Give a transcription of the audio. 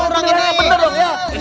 ini pasti ada kecurangan